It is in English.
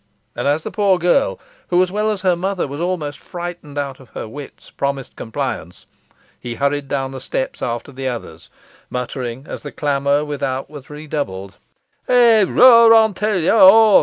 And as the poor girl, who, as well as her mother, was almost frightened out of her wits, promised compliance, he hurried down the steps after the others, muttering, as the clamour without was redoubled "Eigh, roar on till yo're hoarse.